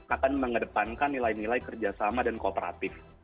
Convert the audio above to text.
akan mengedepankan nilai nilai kerjasama dan kooperatif